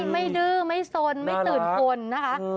ดื้อไม่สนไม่ตื่นคนนะคะ